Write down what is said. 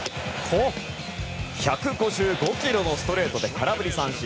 １５５キロのストレートで空振り三振！